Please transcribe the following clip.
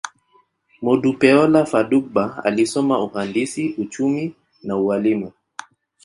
Modupeola Fadugba alisoma uhandisi, uchumi, na ualimu.